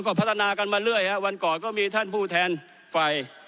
ก็พัฒนากันมาเรื่อยฮะวันก่อนก็มีท่านผู้แทนไฟ